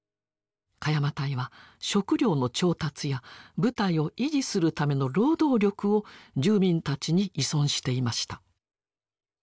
鹿山隊は食料の調達や部隊を維持するための労働力を住民たちに依存していました。